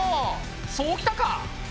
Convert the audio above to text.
そうきたか！